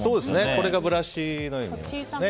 これがブラシのようなものですね。